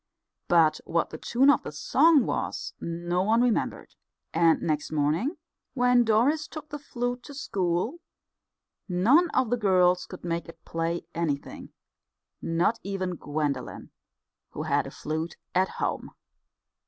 But what the tune of the song was no one remembered; and next morning when Doris took the flute to school, none of the girls could make it play anything, not even Gwendolen, who had a flute at home.